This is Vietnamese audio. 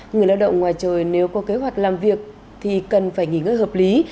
người lao động ngoài trời nếu có kế hoạch làm việc thì cần phải nghỉ ngơi hợp lý